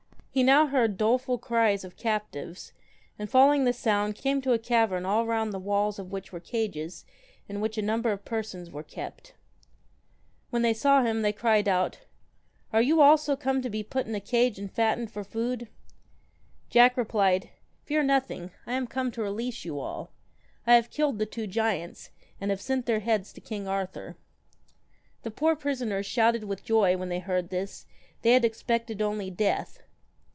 He now heard doleful cries of captives, and following the sound, came to a cavern all round the walls of which were cages in which a number of persons were kept When they saw him, they cried out :' Are you also come to be put in a cage and fattened for food ?' Jack replied :' Fear nothing, I am come to release you all. I have killed the two giants, and have sent their heads to King Arthur.' The poor prisoners shouted with joy when they heard this they had expected only death.